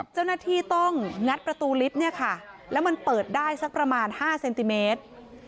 เจ้าหน้าที่ต้องงัดประตูลิฟต์เนี่ยค่ะแล้วมันเปิดได้สักประมาณ๕เซนติเมตร